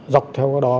dọc theo đó